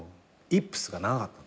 イップスが長かった。